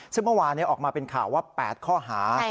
ซึ่งเมื่อวานออกมาเป็นข่าวว่า๘ข้อหา